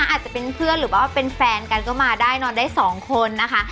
อาจจะเป็นเพื่อนหรือว่าเป็นแฟนกันก็มาได้นอนได้สองคนนะคะ